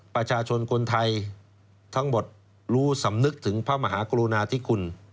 ประชาชนคนไทยทั้งหมดรู้สำนึกถึงพระมหากรุณาธิคุณ